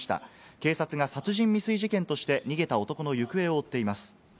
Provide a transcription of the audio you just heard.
警察が殺人未遂事件として逃げた男の行方を追っています。